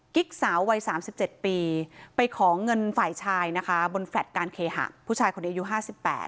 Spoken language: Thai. กิ๊กสาววัย๓๗ปีไปของเงินฝ่ายชายนะคะบนแฟลต์การเคหะผู้ชายคนนี้อายุ๕๘